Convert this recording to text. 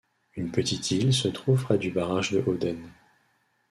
Une petite île se trouve près du barrage de Howden.